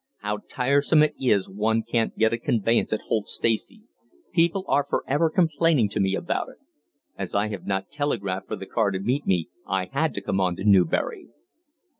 "How tiresome it is one can't get a conveyance at Holt Stacey; people are for ever complaining to me about it. As I have not telegraphed for the car to meet me I had to come on to Newbury."